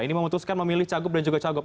ini memutuskan memilih cagup dan juga cagup